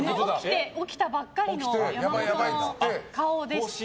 起きたばっかりの山本の顔でして。